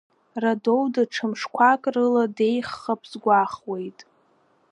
Радоу даҽа мшқәак рыла деиӷьхап сгәахуеит.